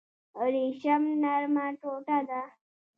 ریشم نرمه ټوټه ده